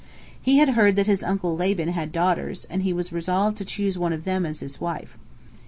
He had heard that his uncle Laban had daughters, and he was resolved to choose one of them as his wife.